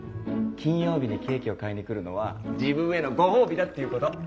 金曜日にケーキを買いに来るのは自分へのご褒美だっていう事。